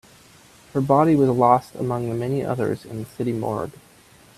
Her body was lost among the many others in the city morgue.